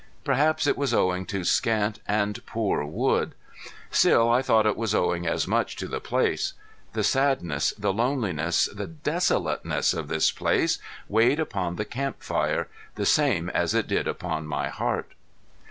Perhaps it was owing to scant and poor wood. Still I thought it was owing as much to the place. The sadness, the loneliness, the desolateness of this place weighed upon the camp fire the same as it did upon my heart.